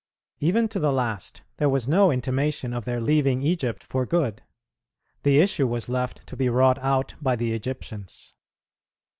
Even to the last, there was no intimation of their leaving Egypt for good; the issue was left to be wrought out by the Egyptians.